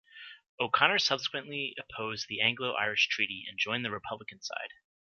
O'Connor subsequently opposed the Anglo-Irish Treaty and joined the Republican side.